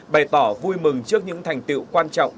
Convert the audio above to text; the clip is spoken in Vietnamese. bày tỏ vui mừng trước những thành tiệu quan trọng